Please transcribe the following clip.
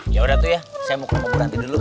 yaudah tuh ya saya mau ke rumah bu ranti dulu